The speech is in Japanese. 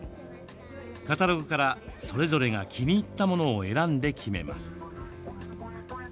カタログから、それぞれが気に入ったものを選んで決めます。